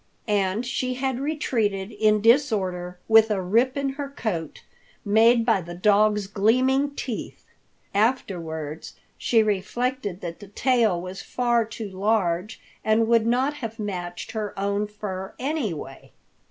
And she had retreated in disorder with a rip in her coat, made by the dog's gleaming teeth. Afterward she reflected that the tail was far too large and would not have matched her own fur anyway.